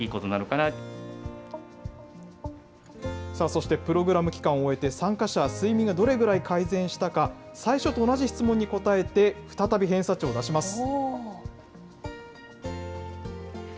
そしてプログラム期間を終えて、参加者は睡眠がどれぐらい改善したか、最初と同じ質問に答えて、再び偏差値を出します。